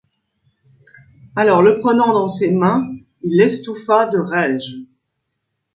Alors, le prenant dans ses mains, il l’estouffa de raige.